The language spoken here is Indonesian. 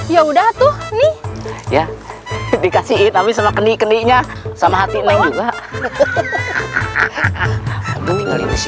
ya udah tuh ya dikasih tapi sama keningnya sama hati